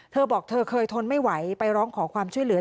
เธอบอกเธอเคยทนไม่ไหวไปร้องขอความช่วยเหลือ